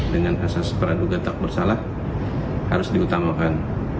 dengan asas peradu gantak bersalah harus diutamakan